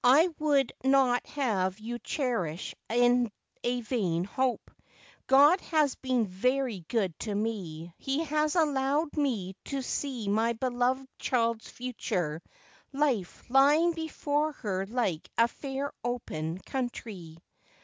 I would not have you cherish a vain hope. God has been very good to me. He has allowed me to see my beloved child's future life lying before her like a fair open country.